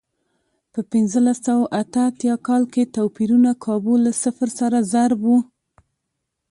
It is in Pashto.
په پنځلس سوه اته اتیا کال کې توپیرونه کابو له صفر سره ضرب و.